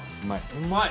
うまい。